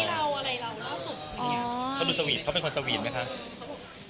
เขาดูสวีทเขาเป็นคนสวีทไหมคะ